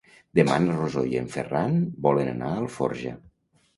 Demà na Rosó i en Ferran volen anar a Alforja.